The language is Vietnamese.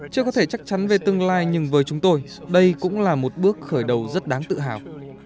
chưa có thể chắc chắn về tương lai nhưng với chúng tôi đây cũng là một bước khởi đầu rất đáng tự hào